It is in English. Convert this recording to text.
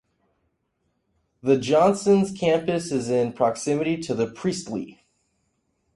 The Johnson campus is in proximity to Priestly.